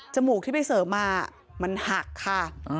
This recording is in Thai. มูกที่ไปเสริมมามันหักค่ะ